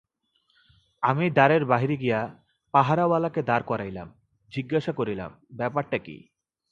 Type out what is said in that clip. আমি দ্বারের বাহিরে গিয়া পাহারাওয়ালাকে দাঁড় করাইলাম, জিজ্ঞাসা করিলাম, ব্যাপারটা কী।